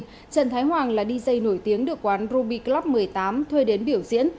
trần thái hoàng là dj nổi tiếng được quán ruby club một mươi tám thuê đến biểu diễn